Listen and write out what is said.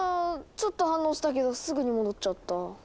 ちょっと反応したけどすぐに戻っちゃった。